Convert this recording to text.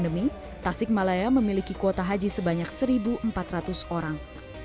pandemi tasik malaya memiliki kuota haji sebanyak satu empat ratus orang